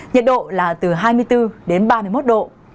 nhiệt độ là từ hai mươi bốn đến ba mươi một độ